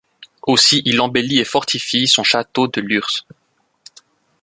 Aussi il embellit et fortifie son château de Lurs.